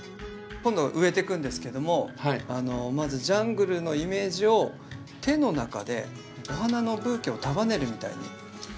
今度植えていくんですけどもまずジャングルのイメージを手の中でお花のブーケを束ねるみたいに。